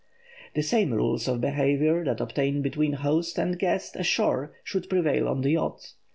The same rules of behavior that obtain between host and guest ashore should prevail on the yacht.